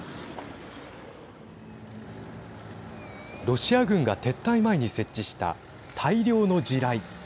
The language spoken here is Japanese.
ロシア軍が撤退前に設置した大量の地雷。